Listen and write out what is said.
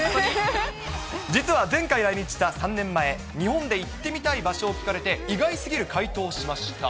実は前回来日した３年前、日本で行ってみたい場所を聞かれて、意外すぎる回答をしました。